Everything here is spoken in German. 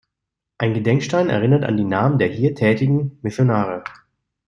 Ein Gedenkstein erinnert an die Namen der hier tätigen Missionare.